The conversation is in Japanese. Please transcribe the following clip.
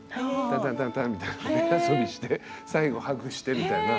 タンタンタンタンみたいな手遊びして最後ハグしてみたいな。